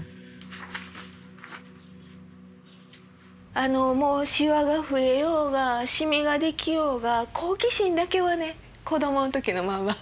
あのもうシワが増えようがシミが出来ようが好奇心だけはね子供の時のまま。